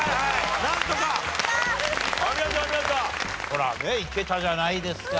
ほらねいけたじゃないですか。